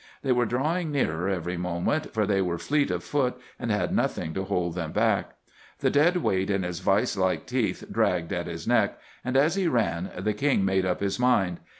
They were drawing nearer every moment, for they were fleet of foot and had nothing to hold them back. The dead weight in his vise like teeth dragged at his neck, and as he ran the King made up his mind.